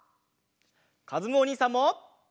かずむおにいさんも！